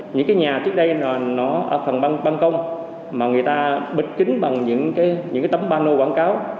những cái nhà trước đây nó ở phần băng công mà người ta bịt kính bằng những cái tấm pano quảng cáo